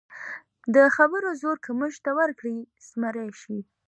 د خبرو زور که مچ ته ورکړې، زمری شي.